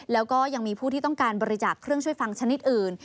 แล้วก็ยังมีผู้ที่ต้องการบริจาคเครื่องช่วยฟังชนิดอื่น